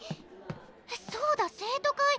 そうだ生徒会